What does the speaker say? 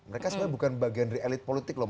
mereka sebenarnya bukan bagian dari elit politik loh